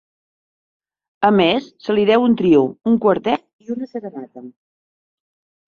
A més se li deu un trio, un quartet i una Serenata.